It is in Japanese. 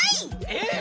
えっ？